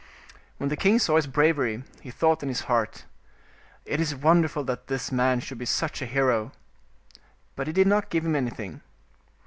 When the king saw his bravery, he thought in his heart, " It is wonderful that this man should be such a hero," but he did not give him anything.